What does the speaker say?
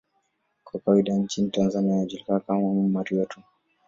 Kwa kawaida nchini Tanzania anajulikana kama 'Mama Maria' tu.